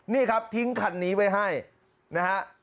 นี่ครับทิ้งคันนี้ไว้ให้นะฮะ